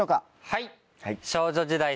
はい！